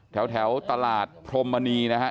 แถวตลาดพรมมณีนะครับ